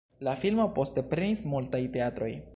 La filmo poste prenis multaj teatroj.